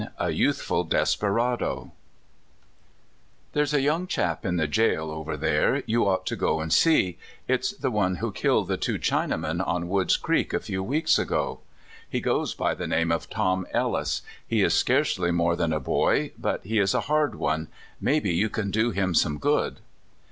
A YOUTHFUL DESPERADO THERE'S a young chap in the jail over there you ought to go and see It's the one who killed the two Chinamen on Wood's Creek a few weeks ago. He goes by the name of Tom Ellis. He is scarcely more than a boy, but he is a hard one. Maybe you can do him some good."